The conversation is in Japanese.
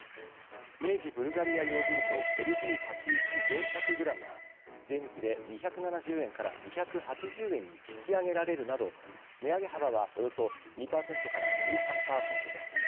明治ブルガリアヨーグルトＬＢ８１４００ｇが税抜きで２７０円から２８０円に引き上げられるなど値上げ幅はおよそ２％から１３％です。